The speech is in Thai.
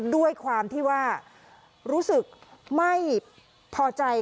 ด้วยความที่ว่ารู้สึกไม่พอใจ